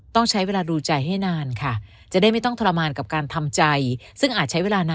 ตอนทิ้งก็ไม่ได้โโภคกันนะ